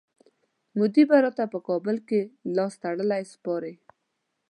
مودي به راته په کابل کي لاستړلی سپارئ.